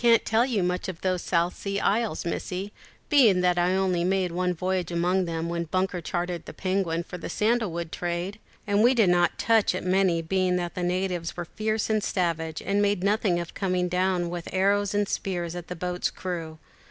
_] "I can't tell you much of those South Sea Isles, Missie, being that I only made one voyage among them, when Bunker chartered the Penguin for the sandal wood trade; and we did not touch at many, being that the natives were fierce and savage, and made nothing of coming down with arrows and spears at a boat's crew.